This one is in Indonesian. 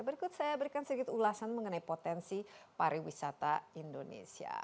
berikut saya berikan sedikit ulasan mengenai potensi pariwisata indonesia